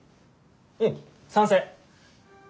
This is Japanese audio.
うん賛成。